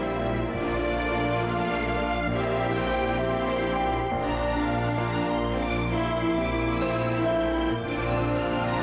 leo menginjil semangatur